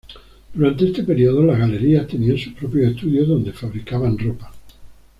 Durante este período, las Galerías tenían sus propios estudios donde fabricaban ropa.